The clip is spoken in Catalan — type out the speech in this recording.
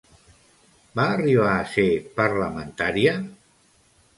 Va arribar a ser parlamentària?